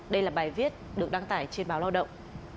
đây là bài viết được đăng tải trên báo lao động